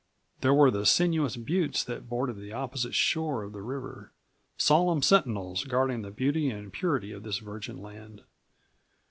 There were the sinuous buttes that bordered the opposite shore of the river solemn sentinels guarding the beauty and purity of this virgin land.